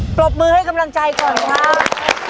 ปรบมือให้กำลังใจก่อนครับ